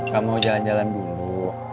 kamu jalan jalan dulu